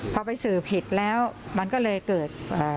พอไปสื่อผิดแล้วมันก็เลยเกิด